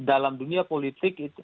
dalam dunia politik